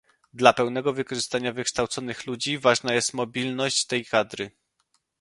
dla pełnego wykorzystania wykształconych ludzi ważna jest mobilność tej kadry